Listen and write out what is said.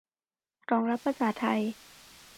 รองรับภาษาไทย